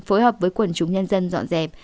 phối hợp với quần chúng nhân dân dọn dẹp